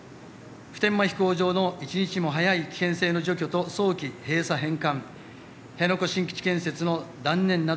普天間飛行場の一日も早い危険性の除去と早期閉鎖・返還辺野古新基地建設の断念等